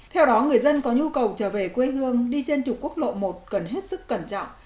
theo đó người dân có nhu cầu trở về quê hương đi trên trục quốc lộ một cần hết sức cẩn trọng